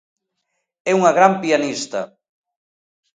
É unha gran pianista.